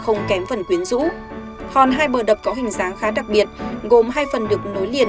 không kém phần quyến rũ hòn hai bờ đập có hình dáng khá đặc biệt gồm hai phần được nối liền